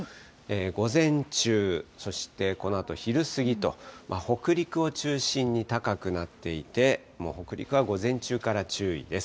午前中、そしてこのあと昼過ぎと、北陸を中心に高くなっていて、もう北陸は午前中から注意です。